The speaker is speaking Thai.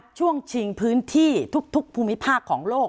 ช่วงชิงพื้นที่ทุกภูมิภาคของโลก